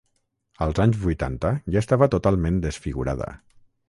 Als anys vuitanta ja estava totalment desfigurada.